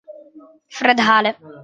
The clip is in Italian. Fred Hale